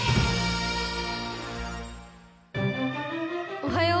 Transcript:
おはよう。